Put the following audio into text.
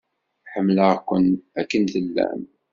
Ḥemmleɣ-ken akken tellam.